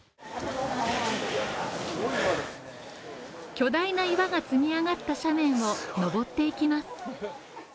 巨大な岩が積み上がった斜面を登っていきます。